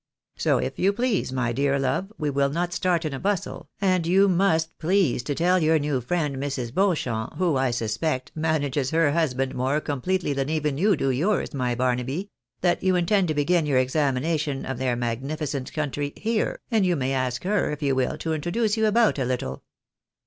So, if you please, my dear love, we wOl not start in a bustle, and you must please to teU your new friend, Mrs. Beau champ, who, I suspect, manages her husband more completely than even you do yours, my Barnaby, that you intend to begin your examination of their magnificent country Tiere, and you may ask her, if you will, to introduce you about a Httle.